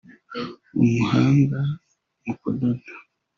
umuhanga mu kudoda